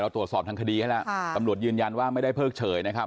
ตรวจสอบทางคดีให้แล้วตำรวจยืนยันว่าไม่ได้เพิกเฉยนะครับ